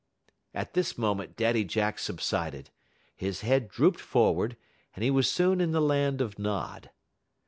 At this moment Daddy Jack subsided. His head drooped forward, and he was soon in the land of Nod.